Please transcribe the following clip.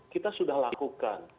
kita sudah lakukan